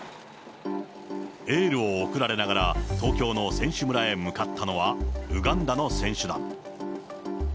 エールを送られながら、東京の選手村へ向かったのは、ウガンダの選手団。